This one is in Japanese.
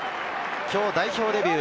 今日、代表デビュー。